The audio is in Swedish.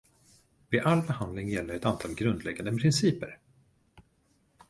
Vid all behandling gäller ett antal grundläggande principer.